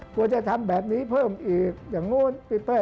ควรจะทำแบบนี้เพิ่มอีกอย่างนู้น